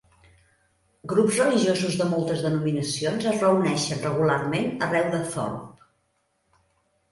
Grups religiosos de moltes denominacions es reuneixen regularment arreu de Thorpe.